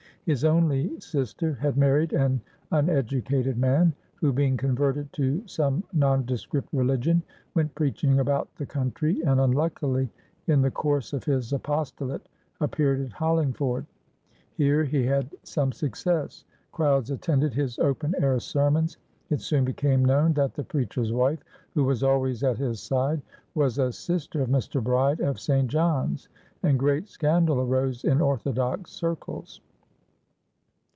His only sister had married an uneducated man, who, being converted to some nondescript religion, went preaching about the country, and unluckily, in the course of his apostolate, appeared at Hollingford. Here he had some success; crowds attended his open air sermons. It soon became known that the preacher's wife, who was always at his side, was a sister of Mr. Bride of St. John's, and great scandal arose in orthodox circles.